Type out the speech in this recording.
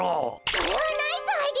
それはナイスアイデア！